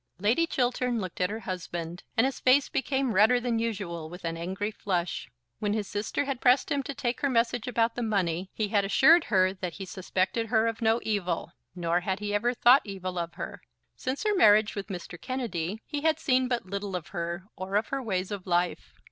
Lady Chiltern looked at her husband, and his face became redder than usual with an angry flush. When his sister had pressed him to take her message about the money, he had assured her that he suspected her of no evil. Nor had he ever thought evil of her. Since her marriage with Mr. Kennedy, he had seen but little of her or of her ways of life.